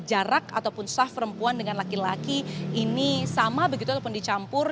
jarak ataupun sah perempuan dengan laki laki ini sama begitu ataupun dicampur